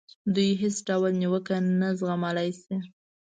دوی هېڅ ډول نیوکه نه زغملای شي.